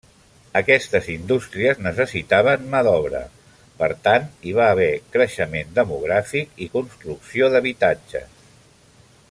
Aquestes indústries necessitaven mà d'obra, per tant hi va haver creixement demogràfic i construcció d'habitatges.